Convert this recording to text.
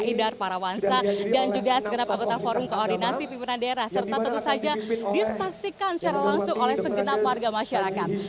idar parawansa dan juga segenap anggota forum koordinasi pimpinan daerah serta tentu saja disaksikan secara langsung oleh segenap warga masyarakat